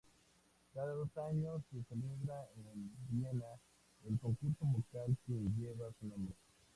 Cada dos años se celebra en Viena el concurso vocal que lleva su nombre.